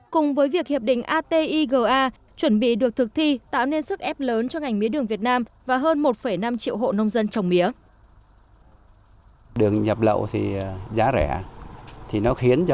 cùng với việc hiệp định atiga chuẩn bị được thực thi tạo nên sức ép lớn cho ngành mía đường việt nam và hơn một năm triệu hộ nông dân trồng mía